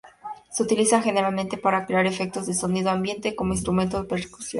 Se utiliza generalmente para crear efectos de sonido ambiente o como instrumento de percusión.